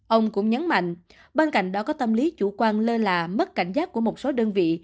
ông cũng nhấn mạnh ban cảnh đã có tâm lý chủ quan lơ lạ mất cảnh giác của một số đơn vị